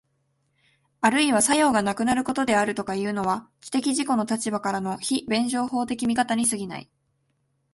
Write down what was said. あるいは作用がなくなることであるとかいうのは、知的自己の立場からの非弁証法的見方に過ぎない。